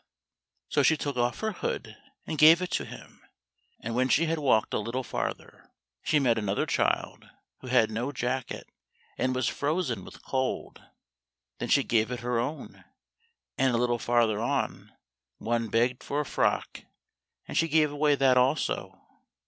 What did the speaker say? So she took off her hood and gave it to him; and when she had walked a little farther, she met another child who had no jacket and was frozen with cold. Then she gave it her own; and a little farther on one begged for a frock, and she gave away that also.